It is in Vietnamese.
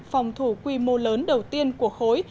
phòng thủ quy mô lớn đầu tiên của khối